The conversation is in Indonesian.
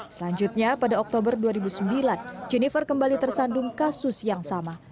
selanjutnya pada oktober dua ribu sembilan jennifer kembali tersandung kasus yang sama